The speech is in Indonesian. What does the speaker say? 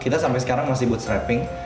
kita sampai sekarang masih bootstrapping